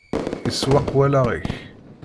Isewweq wallaɣ-ik.